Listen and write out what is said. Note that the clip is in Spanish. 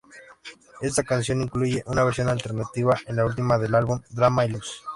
Esta canción incluye una versión alternativa, es la última del álbum Drama y luz.